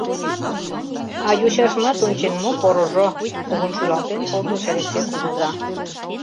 — А йочажымат ончен, мо порыжо, — кугун шӱлалтен колтыш Элексей кугыза.